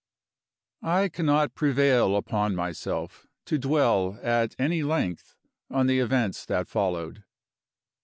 I cannot prevail upon myself to dwell at any length on the events that followed.